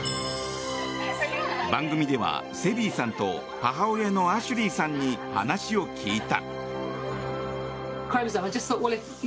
番組ではセビーさんと母親のアシュリーさんに話を聞いた。